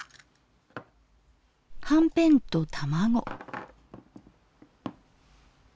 はんぺんと卵。